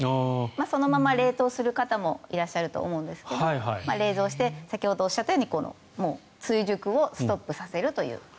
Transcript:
そのまま冷凍する方もいらっしゃると思うんですが冷蔵して先ほどおっしゃったように追熟をストップさせるという。